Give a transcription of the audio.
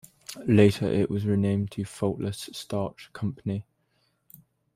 Later, it was renamed to Faultless Starch Company.